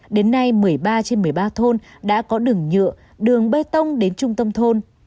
đến nay một mươi ba trên một mươi ba thôn đã có đường nhựa đường bê tông đến trung tâm thôn